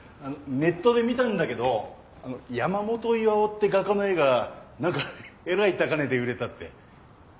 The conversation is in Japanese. ネットで見たんだけど山本巌って画家の絵が何かえらい高値で売れたって。